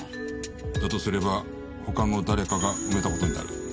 だとすれば他の誰かが埋めた事になる。